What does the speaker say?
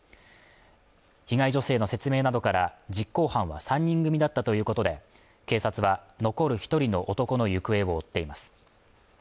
被害女性の説明などから実行犯は３人組だったということで警察は残る一人の男の行方を追っています